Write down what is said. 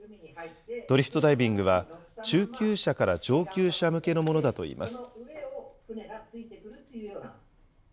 ドリフトダイビングは、中級者から上級者向けのものだといいます。